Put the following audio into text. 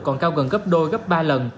còn cao gần gấp đôi gấp ba lần